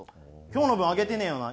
「今日の分上げてねえよな。